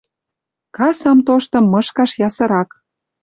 Касам тоштым мышкаш ясырак.